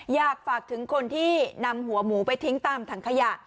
อยากฝากถึงคนที่นำหัวหมูไปทิ้งตามถังขยะ